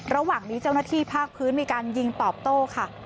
ระหว่างนี้เจ้าหน้าที่ภาคพื้นมีการยิงตอบโต้ค่ะ